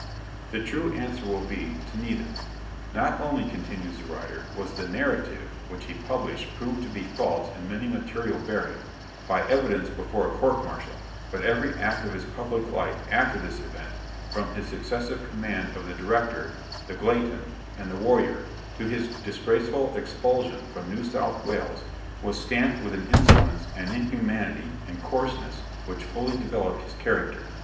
The true answer will be, to neither. 'Not only,' continues the writer, 'was the narrative which he published proved to be false in many material bearings, by evidence before a court martial, but every act of his public life after this event, from his successive command of the Director, the Glatton, and the Warrior, to his disgraceful expulsion from New South Wales, was stamped with an insolence, an inhumanity, and coarseness, which fully developed his character.'